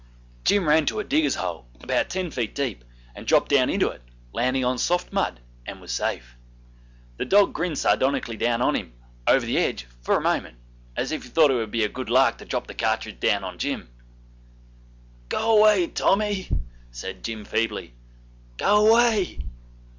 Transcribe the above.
Jim ran to a digger's hole, about ten feet deep, and dropped down into it landing on soft mud and was safe. The dog grinned sardonically down on him, over the edge, for a moment, as if he thought it would be a good lark to drop the cartridge down on Jim. 'Go away, Tommy,' said Jim feebly, 'go away.